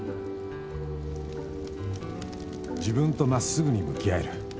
［自分と真っすぐに向き合える］